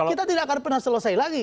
kita tidak akan pernah selesai lagi